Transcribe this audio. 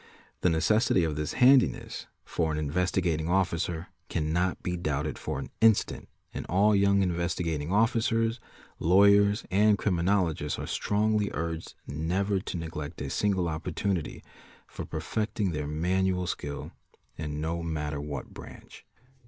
The necessity of this " handiness "'_ for an Investigating Officer cannot be doubted for an instant and all young Investigating Officers, lawyers, and criminologists are strongly urged never to neglect a single opportunity for perfecting their manual skill in no matter what branch.